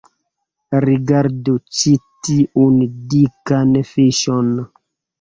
Rigardu ĉi tiun dikan fiŝon